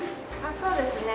そうですね。